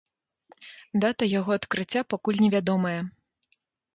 Дата яго адкрыцця пакуль невядомая.